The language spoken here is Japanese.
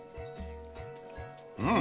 うん！